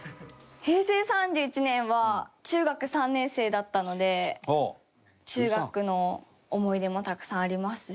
平成３１年は中学３年生だったので中学の思い出もたくさんありますし。